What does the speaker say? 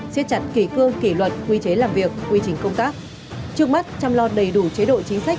siết chặt kỳ cương kỷ luật quy chế làm việc quy trình công tác trước mắt chăm lo đầy đủ chế độ chính sách